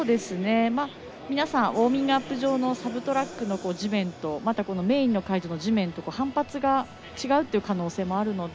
皆さんウォーミングアップ場のサブトラックの地面とメインの会場の地面と反発が違うという可能性もあるので。